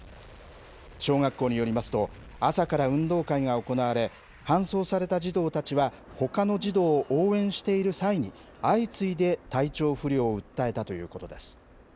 小学校によりますと朝から運動会が行われ搬送された児童たちはほかの児童を応援している際に相次いで体調不良を訴えたということです。